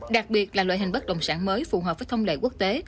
đặc biệt là loại hình bất đồng sản mới phù hợp với thông lệ quốc tế